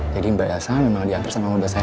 jadi mbak elsa memang diantar sama mobil saya